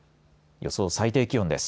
予想最高気温です。